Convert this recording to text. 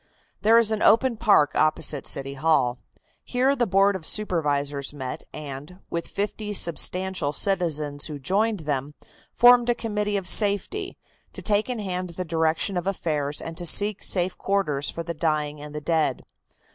There is an open park opposite City Hall. Here the Board of Supervisors met, and, with fifty substantial citizens who joined them, formed a Committee of Safety, to take in hand the direction of affairs and to seek safe quarters for the dying and the dead.